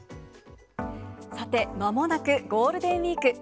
さて、まもなくゴールデンウィーク。